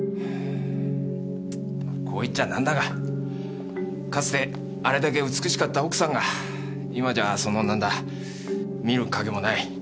こう言っちゃ何だがかつてあれだけ美しかった奥さんが今じゃその何だ見る影もない。